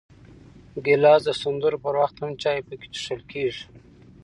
ګیلاس د سندرو پر وخت هم چای پکې څښل کېږي.